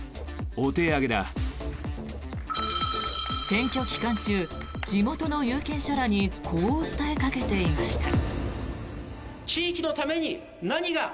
選挙期間中、地元の有権者らにこう訴えかけていました。